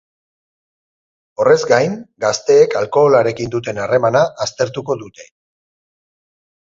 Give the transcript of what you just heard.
Horrez gain, gazteek alkoholarekin duten harremana aztertuko dute.